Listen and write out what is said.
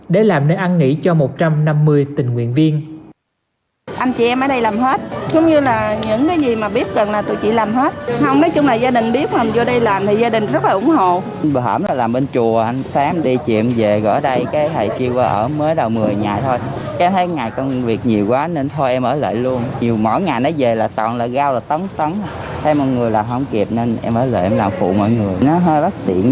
để làm nơi ăn nghỉ cho một trăm năm mươi tình nguyện viên